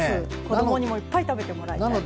子どもにもいっぱい食べてもらいたい。